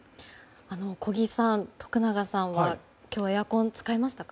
小木さん、徳永さんは今日エアコン使いましたか？